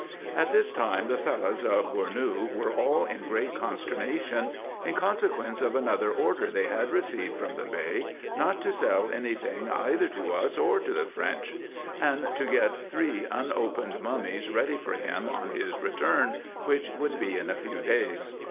At this time the Fellahs of Gournou were all in great conster nation, in consequence of another order they had received from the Bey, not to sell any thing either to us, or to the French ; and to get three unopened mummies ready for him on his return, which would be in a few days.